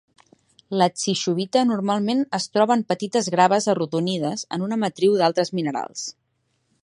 La stishovita normalment es troba en petites graves arrodonides en una matriu d'altres minerals.